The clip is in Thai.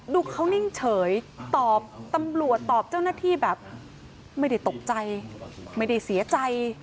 ดูเขานิ่งเฉยตอบตำรวจตอบเจ้าหน้าที่แบบไม่ได้ตกใจไม่ได้เสียใจ